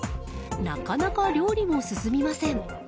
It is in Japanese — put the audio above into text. なかなか料理も進みません。